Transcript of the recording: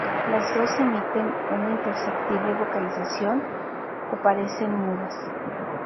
Las dos emiten una imperceptible vocalización o parecen mudas.